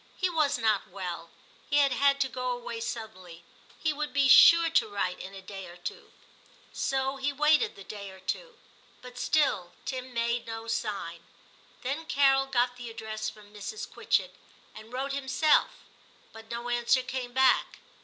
He was not well ; he had had to go away suddenly ; he would be sure to write in a day or two. So he waited the day or two, i XII TIM 275 but Still Tim made no sign. Then Carol got the address from Mrs. Quitchett, and wrote himself, but no answer came back.